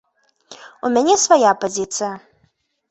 У мяне свая пазіцыя.